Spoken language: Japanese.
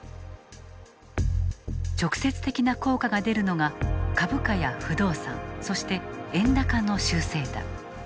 直接的な効果が出るのが株価や不動産そして円高の修正だ。